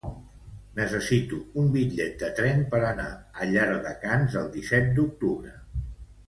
Necessito un bitllet de tren per anar a Llardecans el disset d'octubre.